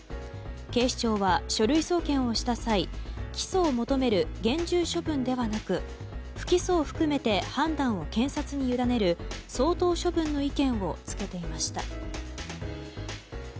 警視庁は書類送検をした際起訴を求める厳重処分ではなく不起訴を含めて判断を検察に委ねる相当処分の意見を付けていました。